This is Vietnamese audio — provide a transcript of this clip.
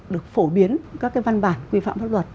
được phổ biến các cái văn bản quy phạm pháp luật